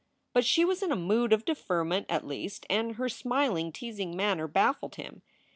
But she was in a mood of deferment at least, and her smiling, teasing manner baffled him.